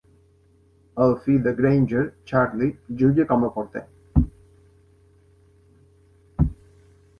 El fill de Grainger, Charlie, juga com a porter.